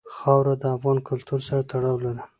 خاوره د افغان کلتور سره تړاو لري.